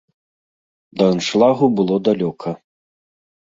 Да аншлагу было далёка.